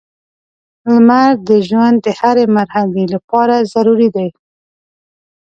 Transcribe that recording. • لمر د ژوند د هرې مرحلې لپاره ضروري دی.